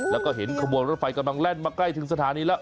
แล้วก็เห็นขบวนรถไฟกำลังแล่นมาใกล้ถึงสถานีแล้ว